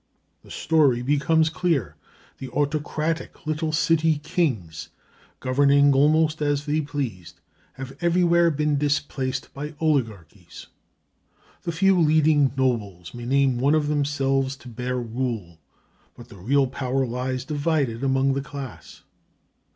The story becomes clear. The autocratic little city kings, governing almost as they pleased, have everywhere been displaced by oligarchies. The few leading nobles may name one of themselves to bear rule, but the real power lies divided among the class.